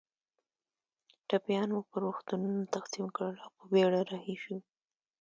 ټپیان مو پر روغتونونو تقسیم کړل او په بېړه رهي شوو.